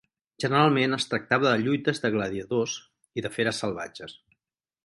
Generalment es tractava de lluites de gladiadors i de feres salvatges.